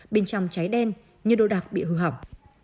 bên trong cháy đen nhiều đồ đạc bị hư hỏng